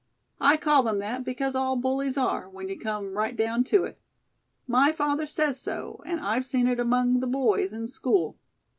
I call them that because all bullies are, when you come right down to it. My father says so; and I've seen it among the boys in school."